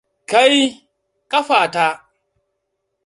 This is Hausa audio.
Kai! Ƙafa ta!